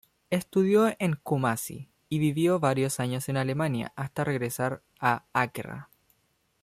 Estudió en Kumasi y vivió varios años en Alemania hasta regresar a Accra.